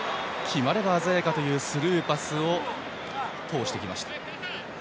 決まれば鮮やかというスルーパスを通してきました。